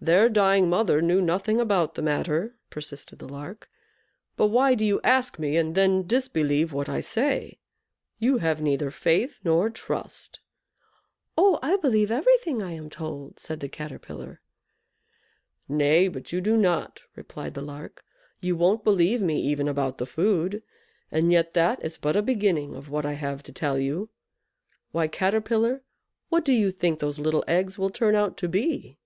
"Their dying mother knew nothing about the matter," persisted the lark; "but why do you ask me, and then disbelieve what I say? You have neither faith nor trust." "Oh, I believe everything I am told," said the Caterpillar. "Nay, but you do not," replied the Lark; "you won't believe me even about the food, and yet that is but a beginning of what I have to tell you. Why, Caterpillar, what do you think those little eggs will turn out to be?"